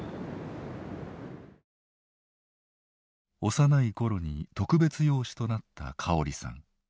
幼い頃に特別養子となった香織さん。